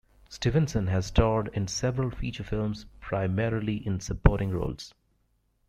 Stevenson has starred in several feature films, primarily in supporting roles.